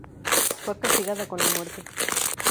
Fue castigada con la muerte.